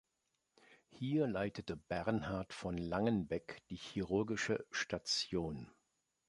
Hier leitete Bernhard von Langenbeck die chirurgische Station.